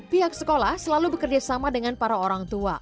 pihak sekolah selalu bekerjasama dengan para orang tua